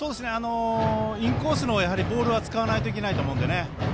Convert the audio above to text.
インコースのボールは使わないといけないと思います。